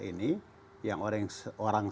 ini yang orang